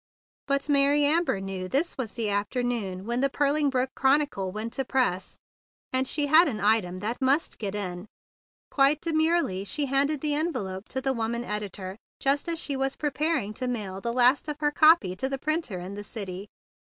But Mary Amber knew that this was the afternoon when The Purling Brook Chronicle went to press, and she had an item that must get in. Quite de THE BIG BLUE SOLDIER 139 murely she handed the envelope to the woman editor just as she was preparing to mail the last of her copy to the printer in the city.